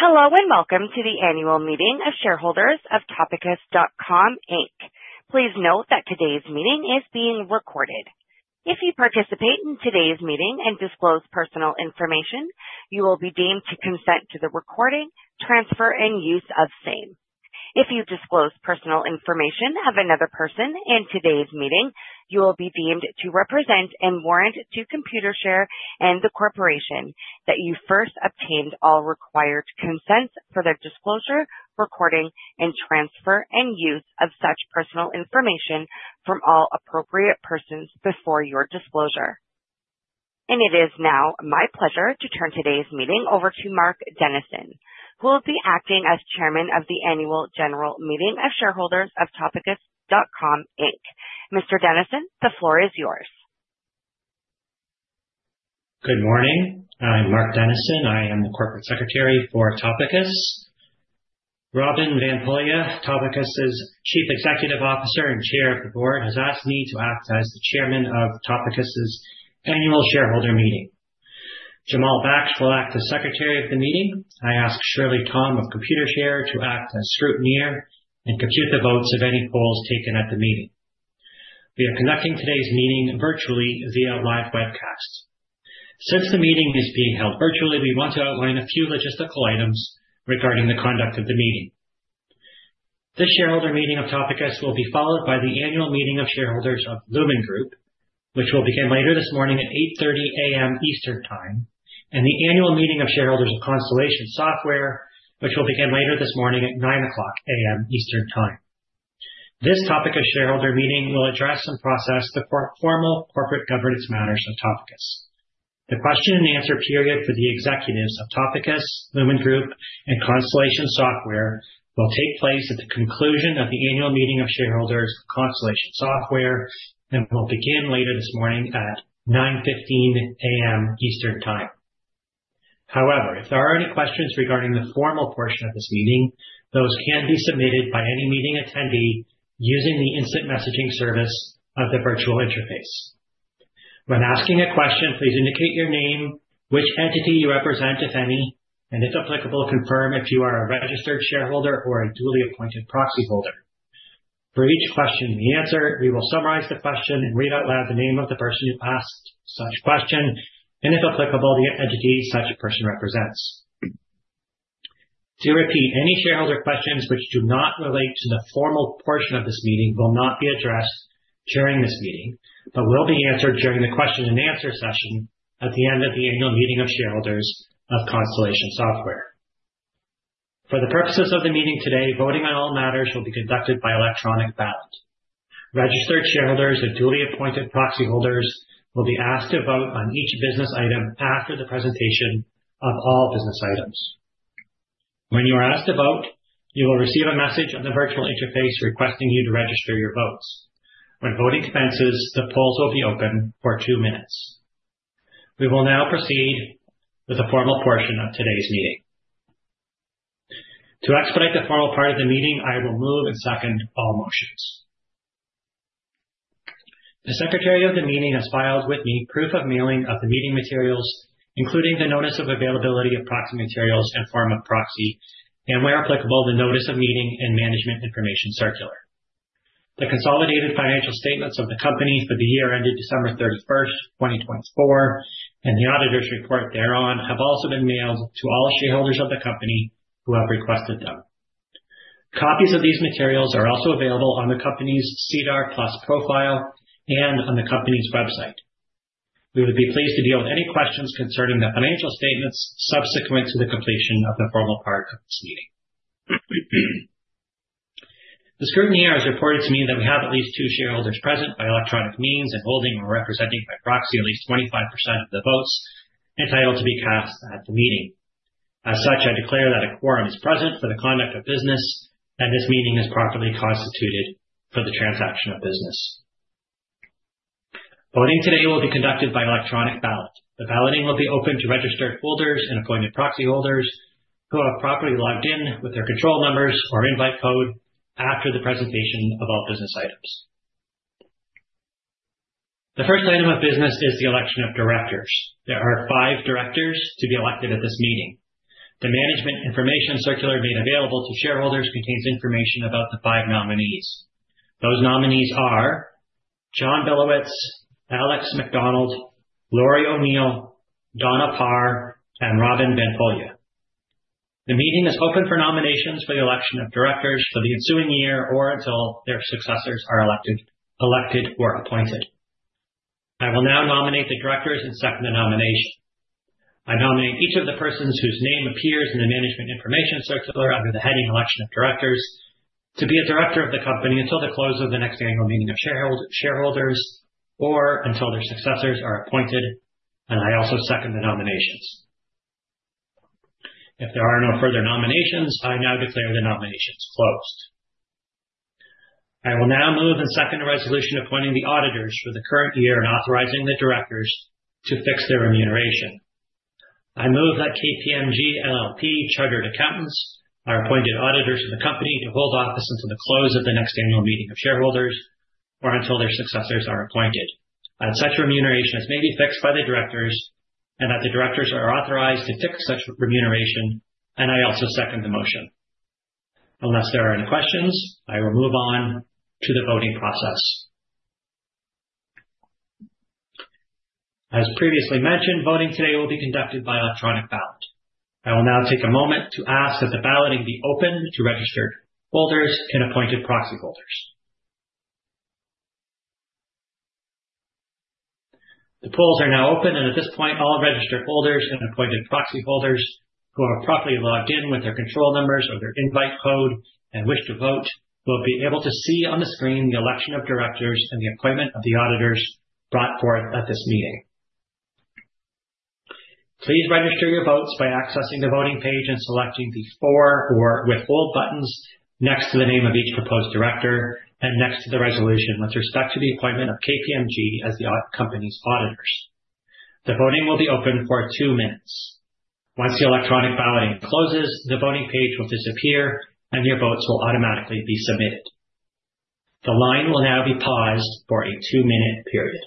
Hello, and welcome to the annual meeting of shareholders of Topicus.com Inc. Please note that today's meeting is being recorded. If you participate in today's meeting and disclose personal information, you will be deemed to consent to the recording, transfer, and use of same. If you disclose personal information of another person in today's meeting, you will be deemed to represent and warrant to Computershare and the corporation that you first obtained all required consents for the disclosure, recording, and transfer and use of such personal information from all appropriate persons before your disclosure. And it is now my pleasure to turn today's meeting over to Mark Dennison, who will be acting as chairman of the annual general meeting of shareholders of Topicus.com Inc. Mr. Dennison, the floor is yours. Good morning. I'm Mark Denison. I am the corporate secretary for Topicus. Robin van Poelje, Topicus's Chief Executive Officer and Chair of the Board, has asked me to act as the chairman of Topicus' annual shareholder meeting. Jamal Baksh will act as secretary of the meeting. I ask Shirley Tom of Computershare to act as scrutineer and compute the votes of any polls taken at the meeting. We are conducting today's meeting virtually via live webcast. Since the meeting is being held virtually, we want to outline a few logistical items regarding the conduct of the meeting. This shareholder meeting of Topicus will be followed by the annual meeting of shareholders of Lumine Group, which will begin later this morning at 8:30 A.M. Eastern Time, and the annual meeting of shareholders of Constellation Software, which will begin later this morning at 9:00 A.M. Eastern Time. This Topicus shareholder meeting will address and process the formal corporate governance matters of Topicus. The question-and-answer period for the executives of Topicus, Lumine Group, and Constellation Software will take place at the conclusion of the annual meeting of shareholders of Constellation Software and will begin later this morning at 9:15 A.M. Eastern Time. However, if there are any questions regarding the formal portion of this meeting, those can be submitted by any meeting attendee using the instant messaging service of the virtual interface. When asking a question, please indicate your name, which entity you represent, if any, and if applicable, confirm if you are a registered shareholder or a duly appointed proxy holder. For each question you answer, we will summarize the question and read out loud the name of the person who asked such question, and if applicable, the entity such person represents. To repeat, any shareholder questions which do not relate to the formal portion of this meeting will not be addressed during this meeting but will be answered during the question-and-answer session at the end of the annual meeting of shareholders of Constellation Software. For the purposes of the meeting today, voting on all matters will be conducted by electronic ballot. Registered shareholders and duly appointed proxy holders will be asked to vote on each business item after the presentation of all business items. When you are asked to vote, you will receive a message on the virtual interface requesting you to register your votes. When voting commences, the polls will be open for two minutes. We will now proceed with the formal portion of today's meeting. To expedite the formal part of the meeting, I will move and second all motions. The secretary of the meeting has filed with me proof of mailing of the meeting materials, including the notice of availability of proxy materials in form of proxy and, where applicable, the notice of meeting and management information circular. The consolidated financial statements of the company for the year ended December 31st 2024, and the auditor's report thereon have also been mailed to all shareholders of the company who have requested them. Copies of these materials are also available on the company's SEDAR+ profile and on the company's website. We would be pleased to deal with any questions concerning the financial statements subsequent to the completion of the formal part of this meeting. The scrutineer has reported to me that we have at least two shareholders present by electronic means and holding or representing by proxy at least 25% of the votes entitled to be cast at the meeting. As such, I declare that a quorum is present for the conduct of business and this meeting is properly constituted for the transaction of business. Voting today will be conducted by electronic ballot. The balloting will be open to registered holders and appointed proxy holders who have properly logged in with their control numbers or invite code after the presentation of all business items. The first item of business is the election of directors. There are five directors to be elected at this meeting. The management information circular made available to shareholders contains information about the five nominees. Those nominees are John Billowits, Alex Macdonald, Lori O'Neill, Donna Parr, and Robin van Poelje. The meeting is open for nominations for the election of directors for the ensuing year or until their successors are elected or appointed. I will now nominate the directors and second the nomination. I nominate each of the persons whose name appears in the management information circular under the heading "Election of Directors" to be a director of the company until the close of the next annual meeting of shareholders or until their successors are appointed, and I also second the nominations. If there are no further nominations, I now declare the nominations closed. I will now move and second the resolution appointing the auditors for the current year and authorizing the directors to fix their remuneration. I move that KPMG LLP Chartered Accountants are appointed auditors of the company to hold office until the close of the next annual meeting of shareholders or until their successors are appointed, that such remuneration is maybe fixed by the directors and that the directors are authorized to fix such remuneration, and I also second the motion. Unless there are any questions, I will move on to the voting process. As previously mentioned, voting today will be conducted by electronic ballot. I will now take a moment to ask that the balloting be open to registered holders and appointed proxy holders. The polls are now open, and at this point, all registered holders and appointed proxy holders who are properly logged in with their control numbers or their invite code and wish to vote will be able to see on the screen the election of directors and the appointment of the auditors brought forth at this meeting. Please register your votes by accessing the voting page and selecting the for or withhold buttons next to the name of each proposed director and next to the resolution with respect to the appointment of KPMG as the company's auditors. The voting will be open for two minutes. Once the electronic balloting closes, the voting page will disappear and your votes will automatically be submitted. The line will now be paused for a two-minute period.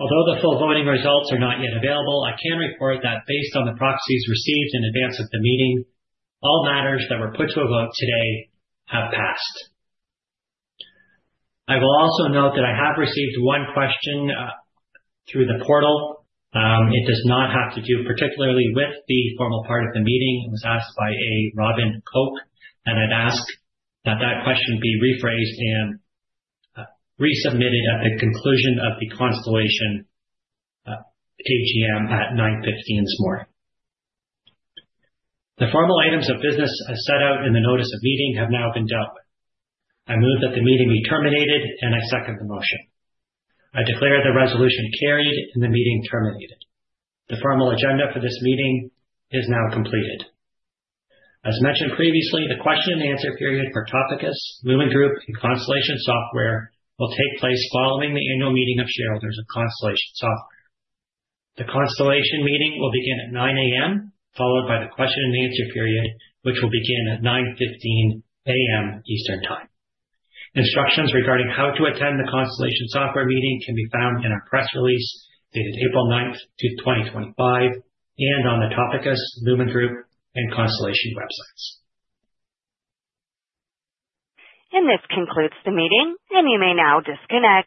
Although the full voting results are not yet available, I can report that based on the proxies received in advance of the meeting, all matters that were put to a vote today have passed. I will also note that I have received one question through the portal. It does not have to do particularly with the formal part of the meeting. It was asked by a Robin Koch, and I'd ask that that question be rephrased and resubmitted at the conclusion of the Constellation AGM at 9:15 A.M. The formal items of business I set out in the notice of meeting have now been dealt with. I move that the meeting be terminated, and I second the motion. I declare the resolution carried and the meeting terminated. The formal agenda for this meeting is now completed. As mentioned previously, the question-and-answer period for Topicus, Lumine Group, and Constellation Software will take place following the annual meeting of shareholders of Constellation Software. The Constellation meeting will begin at 9:00 A.M., followed by the question-and-answer period, which will begin at 9:15 A.M. Eastern Time. Instructions regarding how to attend the Constellation Software meeting can be found in our press release dated April 9th, 2025, and on the Topicus, Lumine Group, and Constellation websites. This concludes the meeting, and you may now disconnect.